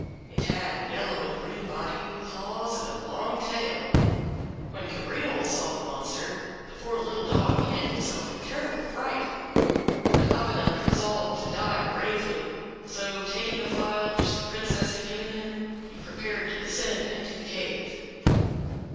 It had a yellow and green body, claws, and a long tail. When Cabriole saw the monster, the poor little dog hid himself in terrible fright. But Avenant resolved to die bravely; so taking a phial which the Princess had given him, he prepared to descend into the cave.